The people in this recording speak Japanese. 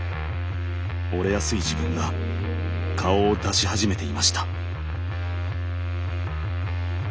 折れやすい自分が顔を出し始めていました。